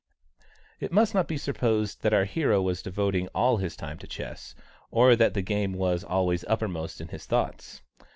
It must not be supposed that our hero was devoting all his time to chess, or that the game was always uppermost in his thoughts.